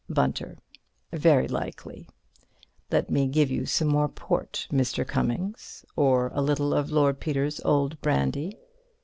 Bunter: Very likely. Let me give you some more port, Mr. Cummings. Or a little of Lord Peter's old brandy.